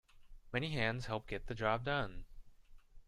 Many hands help get the job done.